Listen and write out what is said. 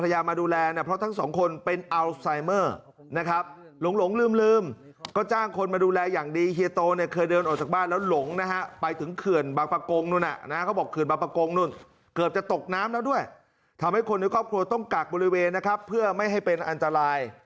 เหตุธละวิวาดที่บ้านของพ่อแม่ของสะพายเฮียโต